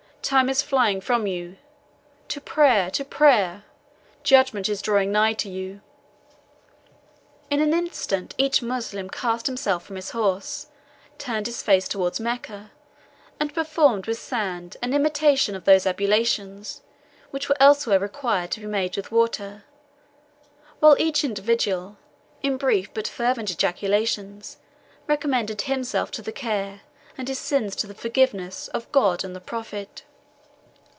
Time is flying from you. To prayer to prayer! Judgment is drawing nigh to you." In an instant each Moslem cast himself from his horse, turned his face towards Mecca, and performed with sand an imitation of those ablutions, which were elsewhere required to be made with water, while each individual, in brief but fervent ejaculations, recommended himself to the care, and his sins to the forgiveness, of God and the Prophet.